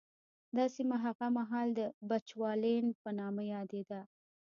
دا سیمه هغه مهال د بچوالېنډ په نامه یادېده.